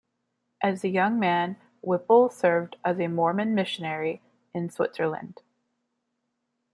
As a young man, Whipple served as a Mormon missionary in Switzerland.